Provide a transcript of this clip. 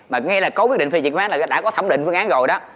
mà nghe là có quyết định phê diệt phương án là đã có thẩm định phương án rồi đó